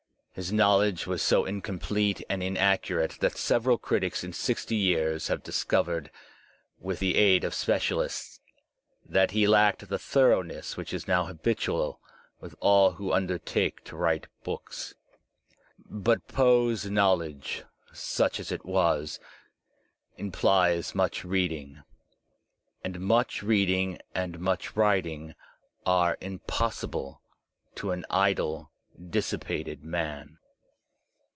His knowledge was so incomplete and inaccurate that several critics in sixty years have discovered, with the aid of special* ists, that he lacked the thoroughness which is now habitual with all who undertake to write books. But Poe's knowledge, such as it was, implies much reading. And much reading and much writing are impossible to an idle, dissipated man.